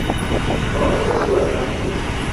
کەواتە بۆچی واز ناهێنیت؟